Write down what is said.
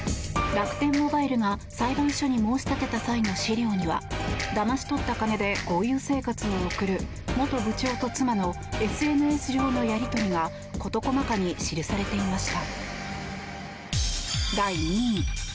楽天モバイルが裁判所に申し立てた際の資料にはだまし取った金で豪遊生活を送る元部長と妻のＳＮＳ上のやり取りが事細かに記されていました。